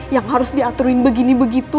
yang harus diaturin begini begitu